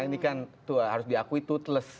ini kan harus diakui tootless